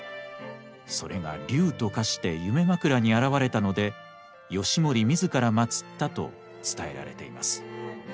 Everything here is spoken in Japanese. それが龍と化して夢枕に現れたので義盛自ら祀ったと伝えられています。